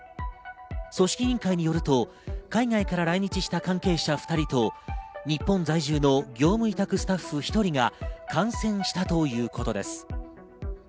組織委員会によると、海外から来日した関係者２人と日本在住の業務委託スタッフ１人が感染したということです。